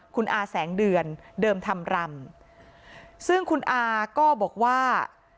คุณอาแสงเดือนเดิมธรรมรำซึ่งคุณอาก็บอกว่า